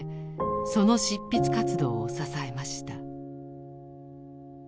その執筆活動を支えました。